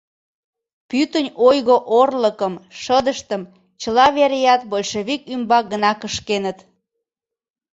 Пӱтынь ойго-орлыкым, шыдыштым чыла вереат большевик ӱмбак гына кШкеныт: